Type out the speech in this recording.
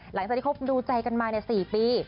หลังจากที่คบดูใจกันมา๔ปี